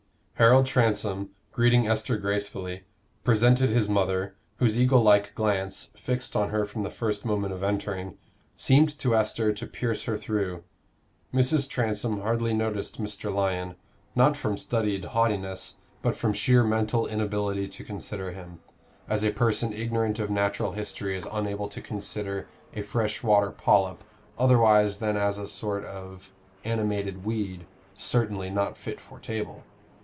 Harold Transome, greeting Esther gracefully, presented his mother, whose eagle like glance, fixed on her from the first moment of entering, seemed to Esther to pierce her through. Mrs. Transome hardly noticed Mr. Lyon, not from studied haughtiness, but from sheer mental inability to consider him as a person ignorant of natural history is unable to consider a fresh water polyp otherwise than as a sort of animated weed, certainly not fit for table.